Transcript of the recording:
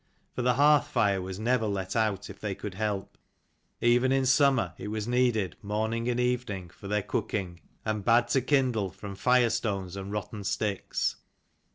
For the hearth fire was never let out if they could help. Even in summer it was needed 4 morning and evening for their cooking, and bad to kindle from fire stones and rotten sticks.